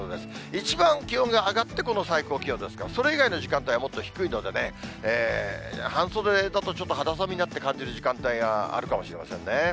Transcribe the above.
一番気温が上がってこの最高気温ですから、それ以外の時間帯はもっと低いのでね、半袖だとちょっと肌寒いなって感じる時間帯があるかもしれませんね。